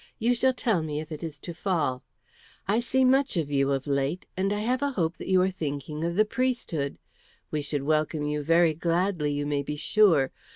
"You shall tell me if it is to fall. I see much of you of late, and I have a hope that you are thinking of the priesthood. We should welcome you very gladly, you may be sure.